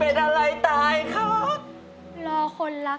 เป็นเรื่องราวของแม่นาคกับพี่ม่าครับ